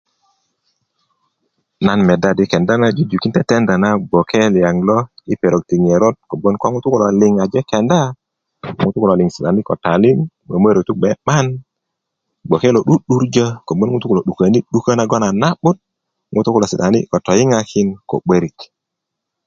nan meda di kenda na jujukin tetenda na bgwoke liyaŋ lo i perok ti ŋerot kogwoŋ ko ŋutu kulo liŋ aje kenda ŋutu kulo liŋ si'dani ko taliŋ momorotu gbe 'bayin bgwoke lo 'du'durjo kogwon ŋutu kulo 'dukon 'dukö nagon a na'but ŋutu kulo si'dani ko toyiŋakin ko 'börik